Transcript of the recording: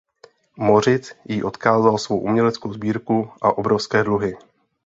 Mořic jí odkázal svou uměleckou sbírku a obrovské dluhy.